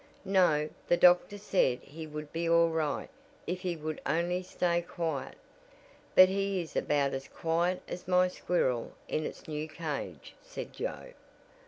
"No, the doctor said he would be all right if he would only stay quiet, but he is about as quiet as my squirrel in its new cage," said Joe.